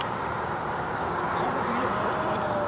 感覚的にやっぱ変わってないですよね。